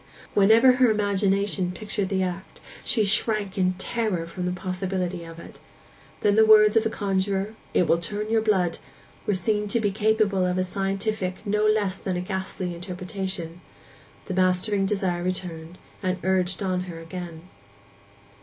Whenever her imagination pictured the act she shrank in terror from the possibility of it: then the words of the conjuror, 'It will turn your blood,' were seen to be capable of a scientific no less than a ghastly interpretation; the mastering desire returned, and urged her on again.